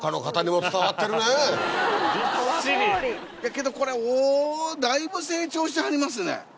けどこれだいぶ成長してはりますね。